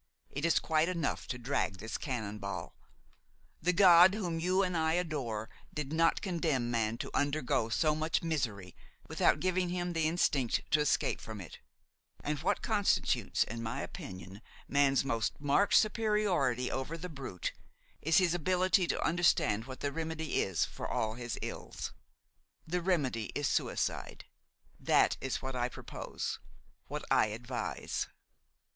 It is quite enough to drag this cannon ball; the God whom you and I adore did not condemn man to undergo so much misery without giving him the instinct to escape from it; and what constitutes, in my opinion, man's most marked superiority over the brute is his ability to understand what the remedy is for all his ills. The remedy is suicide; that is what I propose, what I advise."